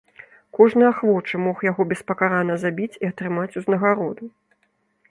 Кожны ахвочы мог яго беспакарана забіць і атрымаць узнагароду.